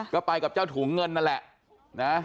ก็ไปกับเจ้าถุงเงินนั่นแหละนะ